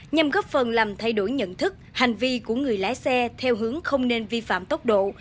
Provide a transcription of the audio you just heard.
nhằm góp phần làm thay đổi nhận thức hành vi của người lái xe theo hướng không nên vi phạm tốc độ